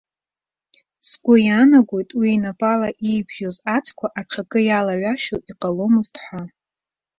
Сгәы иаанагоит уи инапала иибжьоз ацәқәа аҽакы иалаҩашьо иҟаломызт ҳәа.